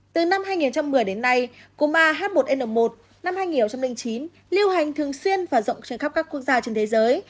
từ năm hai nghìn một mươi đến nay cú ma h một n một năm hai nghìn chín lưu hành thường xuyên và rộng trên khắp các quốc gia trên thế giới